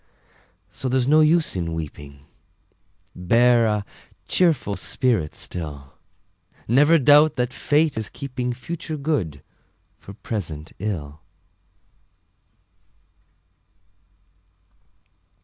So there's no use in weeping, Bear a cheerful spirit still; Never doubt that Fate is keeping Future good for present ill!